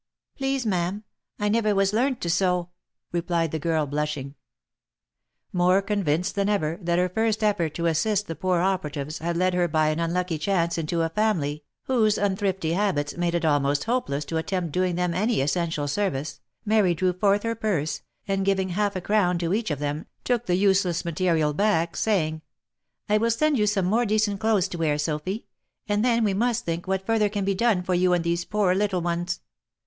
" Please, ma'am, I never was learnt to sew," replied the girl, blushing. More convinced than ever, that her first effort to assist the poor operatives, had led her by an unlucky chance into a family, whose' unthrifty habits made it almost hopeless to attempt doing them any essential service, Mary drew forth her purse, and giving half a crown to each of them, took the useless material back, saying, " I will send you some more decent clothes to wear, Sophy — and then we must think what further can be done for you and these poo; little ones.